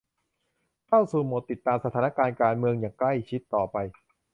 เข้าสู่โหมดติดตามสถานการณ์การเมืองอย่างใกล้ชิดต่อไป